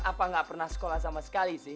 apa nggak pernah sekolah sama sekali sih